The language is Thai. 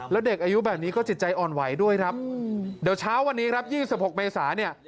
แล้วเด็กอายุแบบนี้ก็จิตใจอ่อนไหวด้วยครับเดี๋ยวเช้าวันนี้ครับ๒๖เมษาเนี่ย